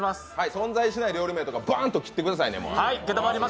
存在しない料理名とかバーンと切ってくださいね。